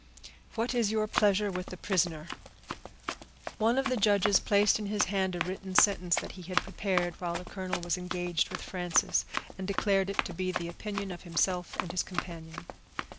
What is your pleasure with the prisoner?" One of the judges placed in his hand a written sentence, that he had prepared while the colonel was engaged with Frances, and declared it to be the opinion of himself and his companion.